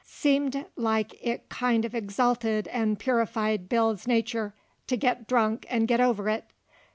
Seemed like it kind uv exalted an' purified Bill's nachur to git drunk an' git over it.